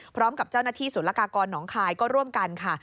พร้อมกับเจ้าหน้าที่ศูนย์ละกากรหนองคายก็ร่วมกันค่ะ